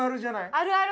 あるある！